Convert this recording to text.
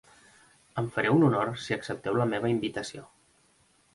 Em fareu un honor si accepteu la meva invitació.